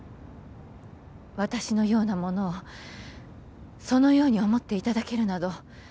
私のような者をそのように思っていただけるなど